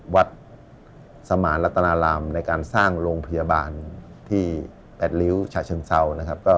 วัดสมาร์นลัตโนรามในการสร้างโรงพยาบาลที่แปดริ้วชาชน์ซาว